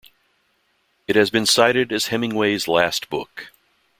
It has been cited as Hemingway's last book.